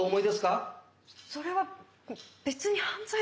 それは別に犯罪では。